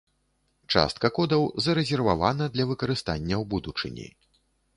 Частка кодаў зарэзервавана для выкарыстання ў будучыні.